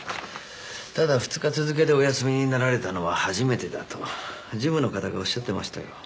ただ２日続けてお休みになられたのは初めてだと事務の方がおっしゃってましたよ